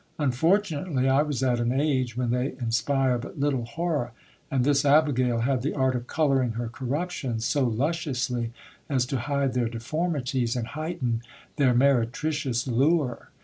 Unfortunately I was at an age when they inspire but little hor ror ; and this abigail had the art of colouring her corruptions so lusciously as to hide their deformities and heighten their meretricious lure.